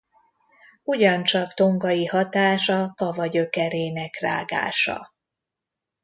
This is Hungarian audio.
Ugyancsak tongai hatás a kava gyökerének rágása.